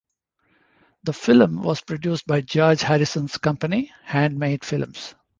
The film was produced by George Harrison's company Handmade Films.